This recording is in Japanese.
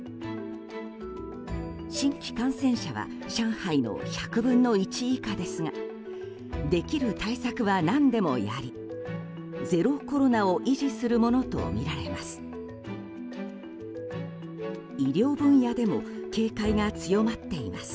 新規感染者は上海の１００分の１以下ですができる対策は何でもやりゼロコロナを維持するものとみられます。